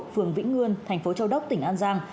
phường vĩnh ngươn thành phố châu đốc tỉnh an giang